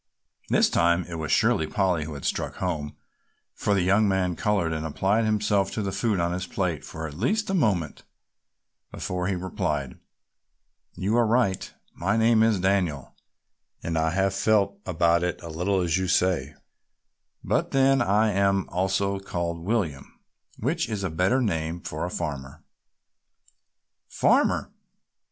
This time it was surely Polly who had struck home, for the young man colored and applied himself to the food on his plate for at least a moment before he replied: "You are right, my name is Daniel and I have felt about it a little as you say, but then I am also called William, which is a better name for a farmer." "Farmer?"